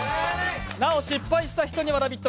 なお、失敗した人には「ラヴィット！」